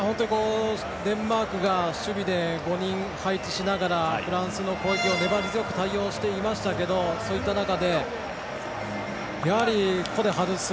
デンマークが守備で５人配置しながらフランスの攻撃を粘り強く対応していましたけどそういった中でやはり個で外す。